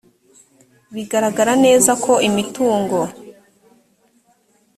bigaragara neza ko imitungo